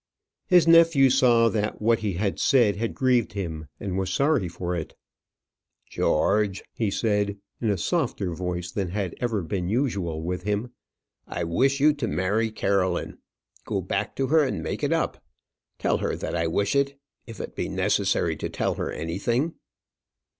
His nephew saw that what he had said had grieved him, and was sorry for it. "George," he said, in a softer voice than had ever been usual with him. "I wish you to marry Caroline. Go back to her, and make it up. Tell her that I wish it, if it be necessary to tell her anything."